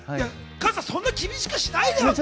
加藤さん、そんなに厳しくしないでよ。